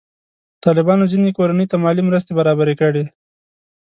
طالبانو ځینې کورنۍ ته مالي مرستې برابرې کړي.